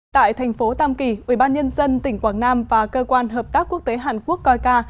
tại thành phố tam kỳ ubnd tỉnh quảng nam và cơ quan hợp tác quốc tế hàn quốc coica